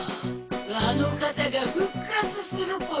あの方が復活するぽよ。